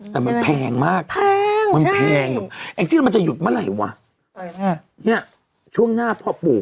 แต่มันแพงมากแพงมันแพงอยู่แองจี้มันจะหยุดเมื่อไหร่วะเนี่ยช่วงหน้าพอปลูก